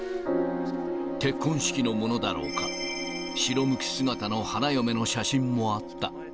結婚式のものだろうか、白むく姿の花嫁の写真もあった。